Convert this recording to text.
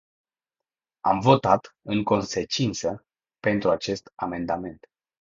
Am votat, în consecință, pentru acest amendament.